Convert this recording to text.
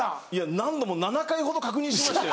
何度も７回ほど確認しましたよ